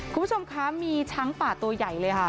คุณผู้ชมคะมีช้างป่าตัวใหญ่เลยค่ะ